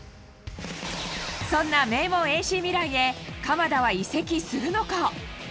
そんな名門ＡＣミランへ、鎌田は移籍するのか？